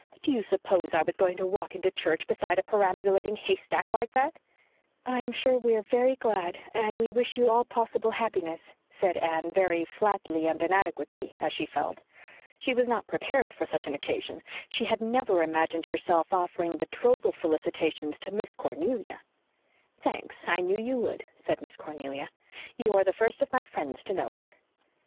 But do you suppose I was going to walk into church beside a perambulating haystack like that?" "I am sure we are very glad and we wish you all possible happiness," said Anne, very flatly and inadequately, as she felt. She was not prepared for such an occasion. She had never imagined herself offering betrothal felicitations to Miss Cornelia. "Thanks, I knew you would," said Miss Cornelia. "You are the first of my friends to know it."